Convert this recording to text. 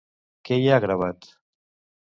Què hi ha gravat?